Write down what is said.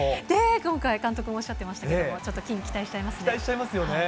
今回監督もおっしゃってましたけど、期待しちゃいますよね。